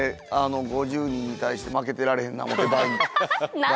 ５０人に対して負けてられへんなと思て倍に。